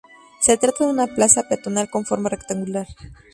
Se trata de una plaza peatonal con forma rectangular.